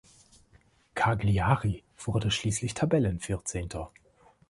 Cagliari wurde schließlich Tabellen-Vierzehnter.